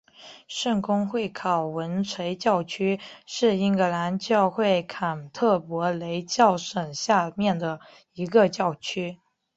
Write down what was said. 圣公会考文垂教区是英格兰教会坎特伯雷教省下面的一个教区。